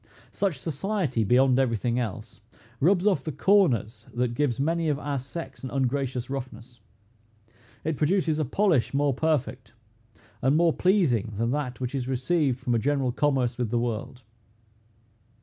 Such society, beyond every thing else, rubs off the corners that gives many of our sex an ungracious roughness. It produces a polish more perfect, and more pleasing than that which is received from a general commerce with the world.